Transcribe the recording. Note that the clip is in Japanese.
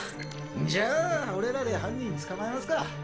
んじゃあ俺らで犯人捕まえますか。